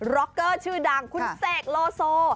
ร็อกเกอร์ชื่อดังคุณเสกโลโซ